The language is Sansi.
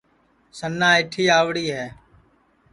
سنا ایٹھی آئوڑی ہے